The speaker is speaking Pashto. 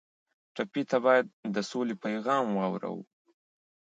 ټپي ته باید د سولې پیغام واورو.